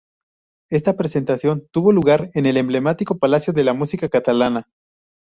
Esta presentación tuvo lugar en el emblemático Palacio de la Música Catalana.